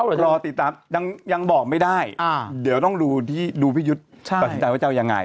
พี่ยุทธ์ก็ติดตามยังบอกไม่ได้เดี๋ยวต้องดูพี่ยุทธ์ประสิทธิ์ไว้เจ้ายังไง